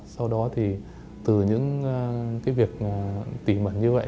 sau đó thì từ những việc tỉ mẩn như vậy